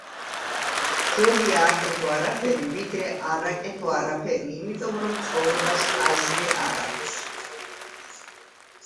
ჯობია, აკეთო არაფერი, ვიდრე არ აკეთო არაფერი იმიტომ რომ ცხოვრებას აზრინ არაქვს